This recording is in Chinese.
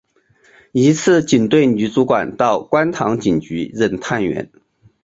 一次警队女主管到观塘警局任探员。